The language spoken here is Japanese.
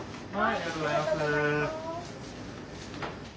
・ありがとうございます。